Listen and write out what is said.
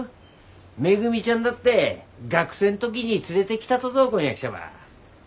めぐみちゃんだって学生ん時に連れてきたとぞ婚約者ば。